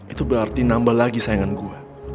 itu berarti nambah lagi sayangan gue